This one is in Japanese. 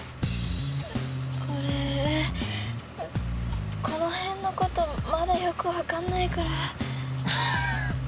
俺この辺のことまだよく分かんないから。